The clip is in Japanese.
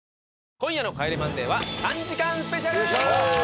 今夜の『帰れマンデー』は３時間スペシャル！